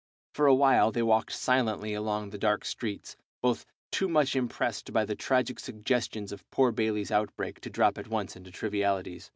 For a while they walked silently along the dark streets, both too much impressed by the tragic suggestions of poor Bayley's outbreak to drop at once into trivialities.